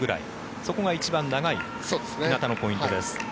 そこが一番長い日なたのポイントです。